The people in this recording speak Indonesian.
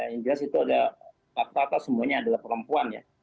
yang jelas itu ada kata kata semuanya adalah perempuan ya